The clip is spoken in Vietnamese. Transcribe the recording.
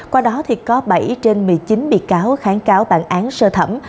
qua đó thì có bảy trên một mươi chín bị cáo kháng cáo bản án sơ thẩm